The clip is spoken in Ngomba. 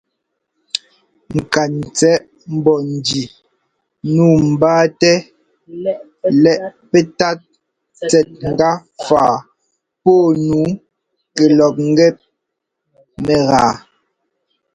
Ŋkantsɛꞌ mbɔ́njí nǔu mbáatɛ lɛ́ꞌ pɛ́tát tsɛt ŋgap faꞌ pɔ́ nu kɛ lɔk ŋ́gɛ mɛgáa.